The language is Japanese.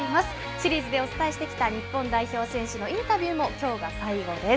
シリーズでお伝えしてきた日本代表選手のインタビューも、きょうが最後です。